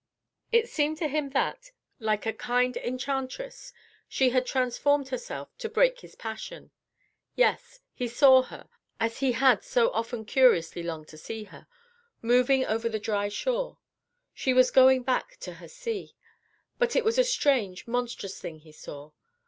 It seemed to him that, like a kind enchantress, she had transformed herself to break his passion. Yes, he saw her, as he had so often curiously longed to see her, moving over the dry shore she was going back to her sea. But it was a strange, monstrous thing he saw.